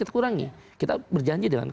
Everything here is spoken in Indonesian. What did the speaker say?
kita kurangi kita berjanji dengan